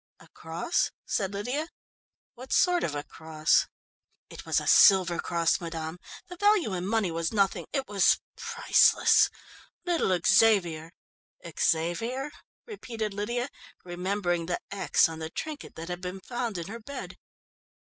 "A cross?" said Lydia. "What sort of a cross?" "It was a silver cross, madame; the value in money was nothing it was priceless. Little Xavier " "Xavier?" repeated Lydia, remembering the "X" on the trinket that had been found in her bed.